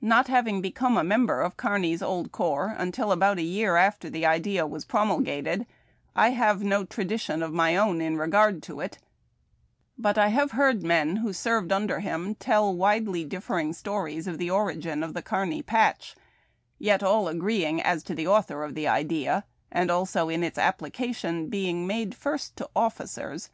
Not having become a membei' of Kearny's old corps until about a year after the idea was promulgated, I have no tradition of my own in regard to it, but I have heard men who served under him tell widely differing stories of the origin of the ' Kearny Patch,' yet all agreeing as to the author of the idea, and also in its application being made first to officers.